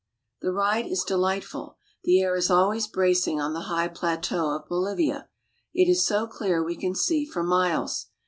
The ride is deHghtful. The air is always bracing on the high plateau of Bolivia. It is so clear we can see for miles.